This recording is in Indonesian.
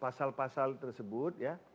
pasal pasal tersebut ya